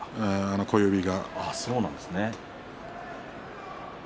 小指が。